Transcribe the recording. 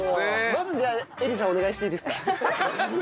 まずじゃあ映吏さんお願いしていいですか？